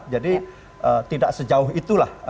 jadi tidak sejauh itulah